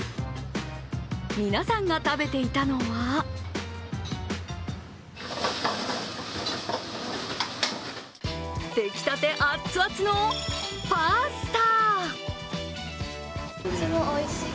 皆さんが食べていたのは出来たてあっつあつのパスタ！